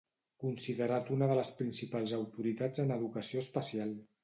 Considerat una de les principals autoritats en educació especial.